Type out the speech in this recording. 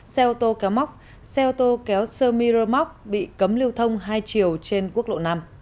xe ô tô kéo móc xe ô tô kéo sơ mi rơ móc bị cấm lưu thông hai chiều trên quốc lộ năm